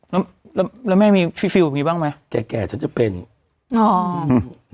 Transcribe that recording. แล้วแล้วแม่มีฟิวจังงี้บ้างไหมแก่ฉันจะเป็นอ๋อหือ